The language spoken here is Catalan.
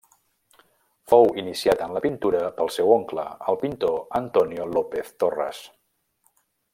Fou iniciat en la pintura pel seu oncle, el pintor Antonio López Torres.